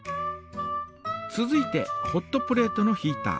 続いてホットプレートのヒータ。